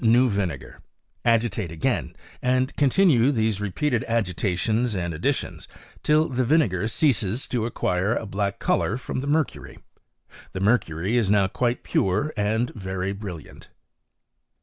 new vinegax; agitate again, and continue these re^ peated agitations and additions till the vinegar ceases to acquire a black colour from the mercury : the mer cury is now quite pure and very brilliant.